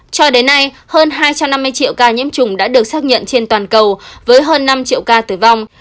cho đến nay hơn hai trăm năm mươi triệu ca nhiễm trùng đã được xác nhận trên toàn cầu với hơn năm triệu ca tử vong